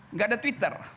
nggak ada twitter